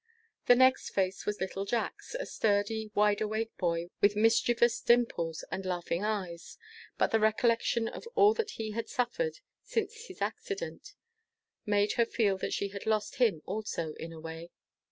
The next face was little Jack's a sturdy, wide awake boy, with mischievous dimples and laughing eyes. But the recollection of all he had suffered since his accident, made her feel that she had lost him also, in a way.